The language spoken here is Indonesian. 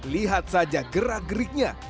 lihat saja gerak geriknya